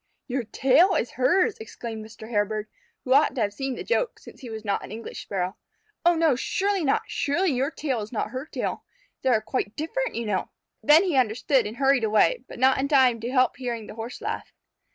"Your tail is hers!" exclaimed Mr. Hairbird, who ought to have seen the joke, since he was not an English Sparrow. "Oh, no, surely not! Surely your tail is not her tail. They are quite different, you know!" Then he understood and hurried away, but not in time to help hearing the Horse laugh.